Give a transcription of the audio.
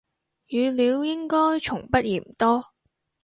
語料應該從不嫌多